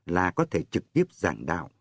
là có thể trực tiếp giảng đạo